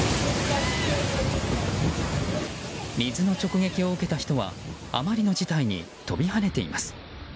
水の直撃を受けた人はあまりの事態に飛び跳ねています。